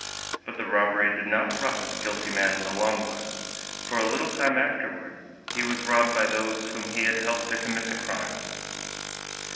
But the robbery did not profit the guilty man in the long run, for, a little time afterward, he was robbed by those whom he had helped to commit the crime.